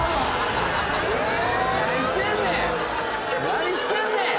何してんねん！